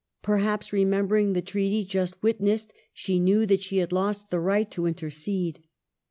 Perhaps, remembering the treaty just witnessed, she knew that she had lost the right to intercede.